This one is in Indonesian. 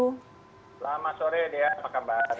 selamat sore dea apa kabar